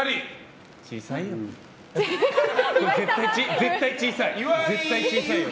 絶対小さい！